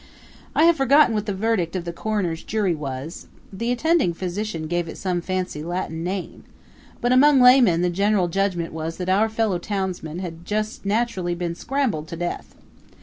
I have forgotten what the verdict of the coroner's jury was the attending physician gave it some fancy Latin name but among laymen the general judgment was that our fellow townsman had just naturally been scrambled to death.